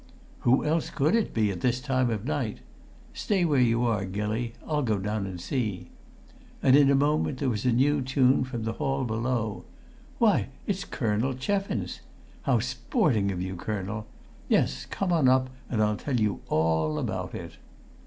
"Who else could it be at this time of night? Stay where you are, Gilly. I'll go down and see." And in a moment there was a new tune from the hall below: "Why, it's Colonel Cheffins!... How sporting of you, colonel!... Yes, come on up and I'll tell you all about it."